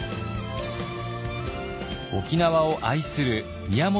沖縄を愛する宮本